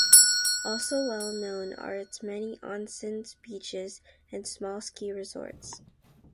Also well known are its many "onsen"s, beaches, and small ski resorts.